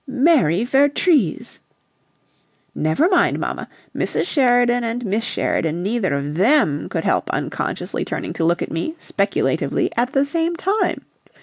"Mary Vertrees!" "Never mind, mamma! Mrs. Sheridan and Miss Sheridan neither of THEM could help unconsciously turning to look at me speculatively at the same time!